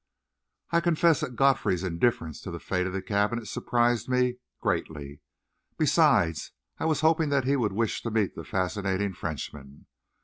I confess that Godfrey's indifference to the fate of the cabinet surprised me greatly; besides, I was hoping that he would wish to meet the fascinating Frenchman.